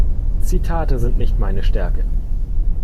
Zitate sind nicht meine Stärke.